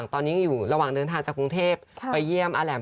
ตอนนี้อยู่ระหว่างเดินทางจากกรุงเทพไปเยี่ยมอาแหลม